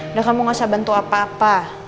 udah kamu gak usah bantu apa apa